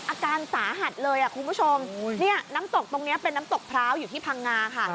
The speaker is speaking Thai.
อาการสาหัสเลยคุณผู้ชมเนี่ยน้ำตกตรงนี้เป็นน้ำตกพร้าวอยู่ที่พังงาค่ะ